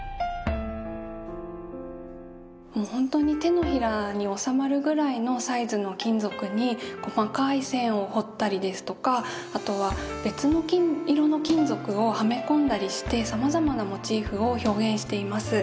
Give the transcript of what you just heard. もうほんとに手のひらに収まるぐらいのサイズの金属に細かい線を彫ったりですとかあとは別の金色の金属をはめ込んだりしてさまざまなモチーフを表現しています。